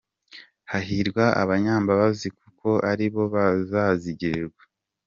Hahirwa abanyambabazi, Kuko ari bo bazazigirirwa